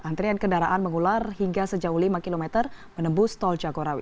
antrian kendaraan mengular hingga sejauh lima km menembus tol jagorawi